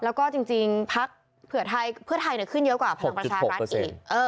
แล้วก็จริงพักเพื่อไทยขึ้นเยอะกว่าพลังประชารัฐอีก